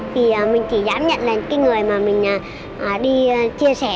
thì mình chỉ dám nhận là cái người mà mình đi chia sẻ